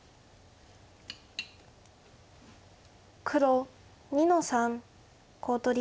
黒２の三コウ取り。